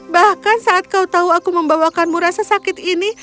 bahkan saat kau tahu aku membawakanmu rasa sakit ini